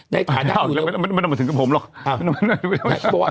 ไม่ต้องมาถึงกับผมหรอก